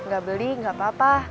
gak beli gak apa apa